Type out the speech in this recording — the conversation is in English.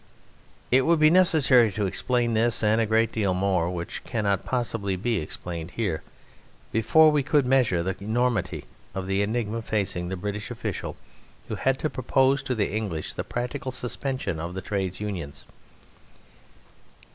It would be necessary to explain this, and a great deal more which cannot possibly be explained here, before we could measure the enormity of the enigma facing the British official who had to propose to the English the practical suspension of the Trades Unions.